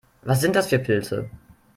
Was sind das für Pilze?